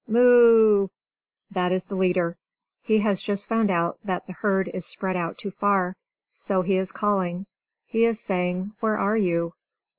Moo!" That is the leader. He has just found out that the herd is spread out too far; so he is calling. He is saying, "Where are you?"